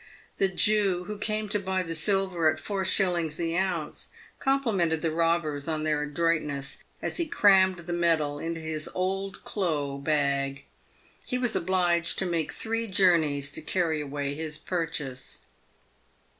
The Jew who came to buy the silver at 4s. the ounce complimented the robbers on their adroit ness, as he crammed the metal into his " old clo' " bag. He was obliged to make three journeys to carry away his purchase.